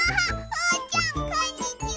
おうちゃんこんにちは！